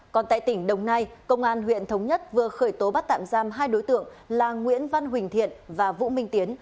còn tại tỉnh đồng nai công an huyện thống nhất vừa khởi tố bắt tạm giam hai đối tượng là nguyễn văn huỳnh thiện và vũ minh tiến